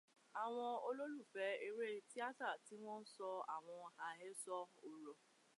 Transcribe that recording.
Àwọn olólùfẹ́ eré tíátà ti ń sọ àwọn àhesọ ọ̀rọ̀.